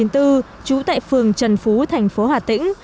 trú tại phường trần phú thành phố hà tĩnh